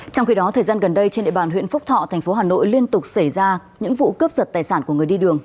trong khi đó thời gian gần đây trên địa bàn huyện phúc thọ thành phố hà nội liên tục xảy ra những vụ cướp giật tài sản của người đi đường